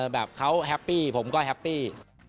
แบบเขาแฮปปี้ผมก็แฮปปี้